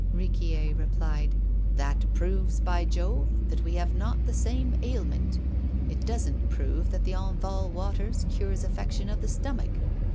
Riquier replied: "That proves, by Jove, that we have not the same ailment; it doesn't prove that the Enval water cures affections of the stomach."